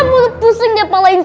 mulut pusing jempolan